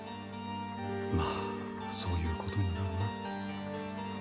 まあそういうことになるな。